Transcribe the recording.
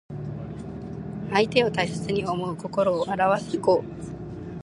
相手を大切に思う心をあらわす語。